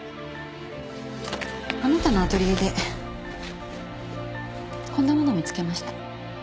あなたのアトリエでこんなものを見つけました。